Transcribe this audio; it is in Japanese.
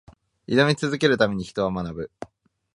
挑み続けるために、人は学ぶ。